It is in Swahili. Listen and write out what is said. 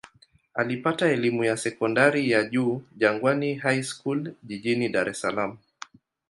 Alipata elimu ya sekondari ya juu Jangwani High School jijini Dar es Salaam.